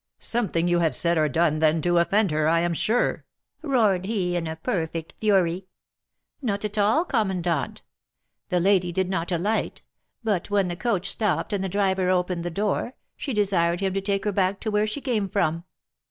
'Something you have said or done, then, to offend her, I am sure!' roared he in a perfect fury. 'Not at all, commandant. The lady did not alight, but when the coach stopped and the driver opened the door, she desired him to take her back to where she came from.'